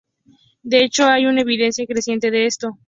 De hecho, hay una evidencia creciente de esto.